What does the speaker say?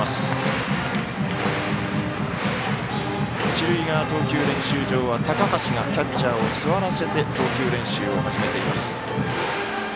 一塁側投球練習場は高橋がキャッチャーを座らせて投球練習を始めています。